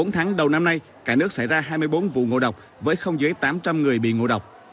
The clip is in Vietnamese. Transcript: bốn tháng đầu năm nay cả nước xảy ra hai mươi bốn vụ ngộ độc với không dưới tám trăm linh người bị ngộ độc